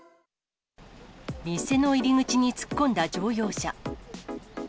店の入り口に突っ込んだ乗用車。